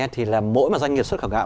thì mỗi doanh nghiệp xuất khẩu gạo